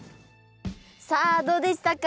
さあどうでしたか？